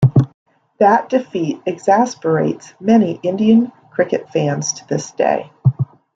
That defeat exasperates many Indian cricket fans to this day.